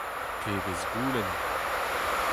Pebezh goulenn !